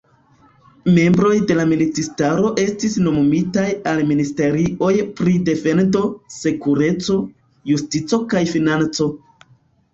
Membroj de la militistaro estis nomumitaj al ministerioj pri defendo, sekureco, justico kaj financo.